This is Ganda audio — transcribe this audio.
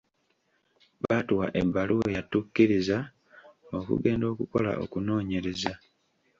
Baatuwa ebbaluwa eyatukkiriza okugenda okukola okunoonyereza.